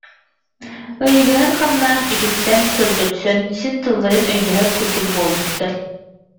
Ыйыгынан хамнанан, үтүктэн көрдөрсөн син тылларын өйдөһөр курдук буолбуттар